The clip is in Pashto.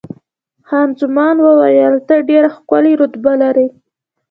خان زمان وویل، ته ډېره ښکلې رتبه لرې.